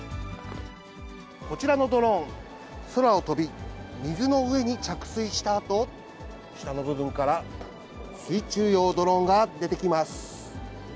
こちらのドローン、空を飛び、水の上に着水したあと、下の部分から水中用ドローンが出てきます。